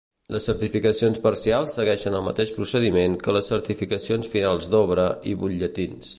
Les certificacions parcials segueixen el mateix procediment que les certificacions finals d'obra i butlletins.